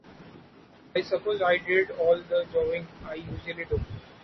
I suppose I did all the jawing — I usually do.